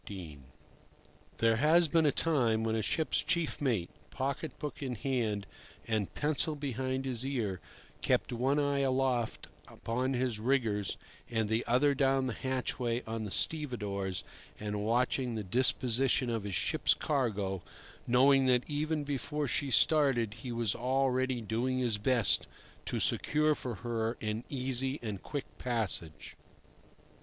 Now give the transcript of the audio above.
XIII. THERE has been a time when a ship's chief mate, pocket book in hand and pencil behind his ear, kept one eye aloft upon his riggers and the other down the hatchway on the stevedores, and watched the disposition of his ship's cargo, knowing that even before she started he was already doing his best to secure for her an easy and quick passage.